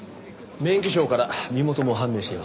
免許証から身元も判明しています。